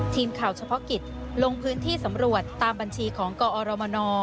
ทีมข่าวเฉพาะกิจลงพื้นที่สำรวจตามบัญชีของกอรมน